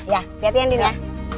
iya perhatikan din ya